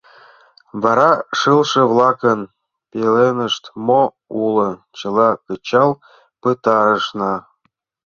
Вара шылше-влакын пеленышт мо уло — чыла кычал пытарышна...